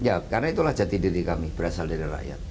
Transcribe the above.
ya karena itulah jati diri kami berasal dari rakyat